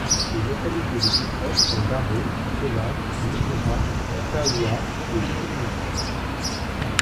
Les localités les plus proches sont Daro, Sevane, Missira, Taoua et Tilmessane.